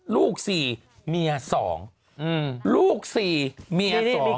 ลูก๔มี๒ลูก๔มี๒